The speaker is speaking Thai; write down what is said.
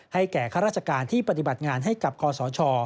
แก่ข้าราชการที่ปฏิบัติงานให้กับคอสช